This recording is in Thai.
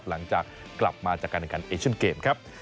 หลังจากกลับมาจากการแข่งขันเอเชียนเกมครับ